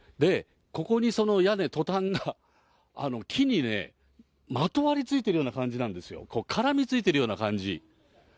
ここにその屋根、トタンが、木にね、まとわりついているような感じなんですよ、絡みついてるような感じ。